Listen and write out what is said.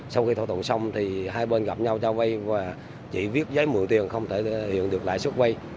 sau khi thỏa thuận xong thì hai bên gặp nhau cho vay và chỉ viết giấy mượn tiền không thể hiện được lãi suất vay